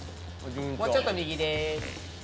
もうちょっと右です。